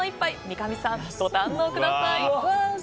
三上さん、ご堪能ください。